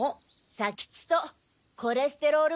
左吉とコレステロール号。